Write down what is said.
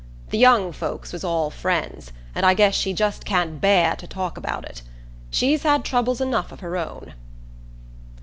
The young folks was all friends, and I guess she just can't bear to talk about it. She's had troubles enough of her own."